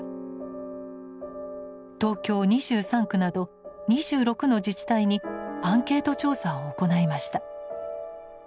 東京２３区など２６の自治体にアンケート調査を行いました。